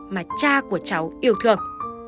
mà cha của cháu yêu thương